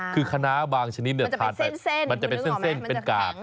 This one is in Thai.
คือคณะบางชนิดทานไปมันจะเป็นเส้นเป็นกาก